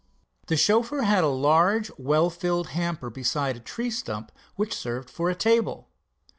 The chauffeur had a large, well filled hamper beside a tree stump which served for a table.